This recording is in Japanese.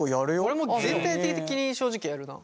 俺も全体的に正直やるな。